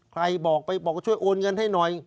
ใครบอกไปบอกช่วยโอนเงินให้หน่อย